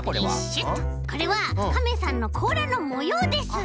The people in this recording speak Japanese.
これはカメさんのこうらのもようです。